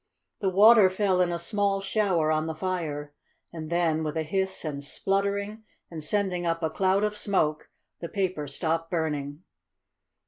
The water fell in a small shower on the fire, and then with a hiss and spluttering, and sending up a cloud of smoke, the paper stopped burning.